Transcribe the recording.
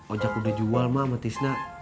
ojak udah jual emak sama tisna